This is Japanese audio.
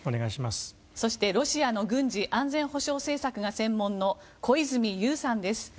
そして、ロシアの軍事・安全保障政策が専門の小泉悠さんです。